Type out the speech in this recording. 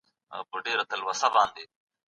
د یو لیکوال نیمګړتیاوې باید پټې پاتې نسی.